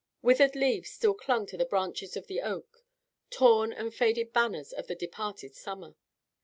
Withered leaves still clung to the branches of the oak: torn and faded banners of the departed summer.